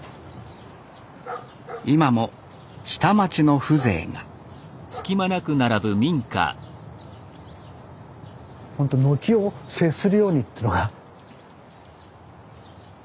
今も下町の風情がほんと軒を接するようにっていうのか。